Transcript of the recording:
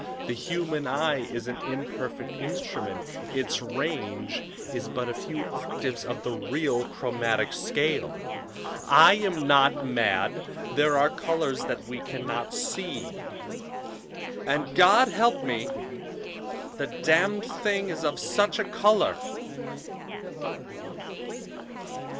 The human eye is an imperfect instrument; its range is but a few octaves of the real 'chromatic scale' I am not mad; there are colors that we can not see. "And, God help me! the Damned Thing is of such a color!"